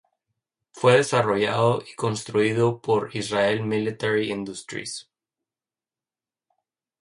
Fue desarrollado y construido por Israel Military Industries.